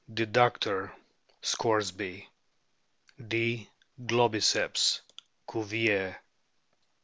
deductor, Scoresby ; D. globiccps. Cuvier.